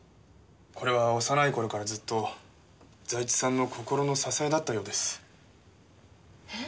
これは幼い頃からずっと財津さんの心の支えだったようです。え？